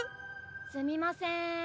すみません。